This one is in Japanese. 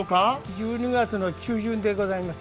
１２月の中旬でございます。